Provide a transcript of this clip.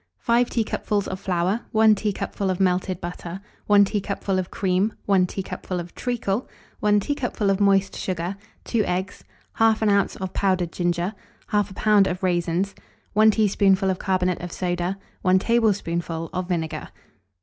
5 teacupfuls of flour, 1 teacupful of melted butter, 1 teacupful of cream, 1 teacupful of treacle, 1 teacupful of moist sugar, 2 eggs, 1/2 oz. of powdered ginger, 1/2 lb. of raisins, 1 teaspoonful of carbonate of soda, 1 tablespoonful of vinegar.